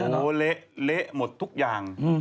เหละหมดทุกอย่าง